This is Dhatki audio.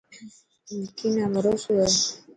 وڪي نا بهروسو هي.